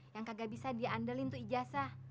yang kagak bisa diandalkan tuh ijasa